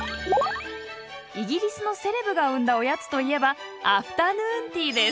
イギリスのセレブが生んだおやつといえばアフタヌーンティーです。